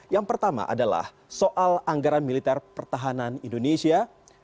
yang pertama adalah soal anggaran militer pertahanan indonesia dua ribu sembilan belas dua ribu dua puluh dua